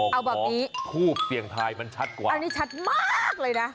ขอภูมิเปลี่ยงทายมันชัดกว่าอันนี้ชัดมากเลยนะ